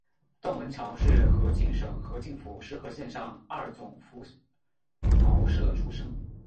邓文乔是河静省河清府石河县上二总拂挠社出生。